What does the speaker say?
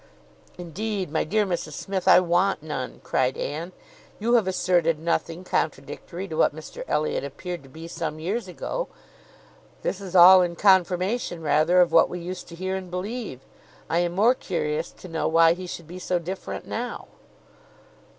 "Indeed, my dear Mrs Smith, I want none," cried Anne. "You have asserted nothing contradictory to what Mr Elliot appeared to be some years ago. This is all in confirmation, rather, of what we used to hear and believe. I am more curious to know why he should be so different now."